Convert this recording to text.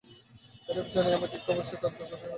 এইরূপ জানিয়া আমাদিগকে অবশ্য কার্য করিয়া যাইতে হইবে।